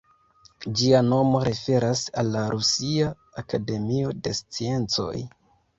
Ĝia nomo referas al la Rusia Akademio de Sciencoj.